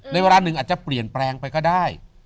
เวลาหนึ่งอาจจะเปลี่ยนแปลงไปก็ได้